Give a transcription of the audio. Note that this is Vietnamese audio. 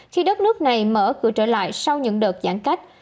khi đất nước này mở cửa trở lại sau những đợt giãn cách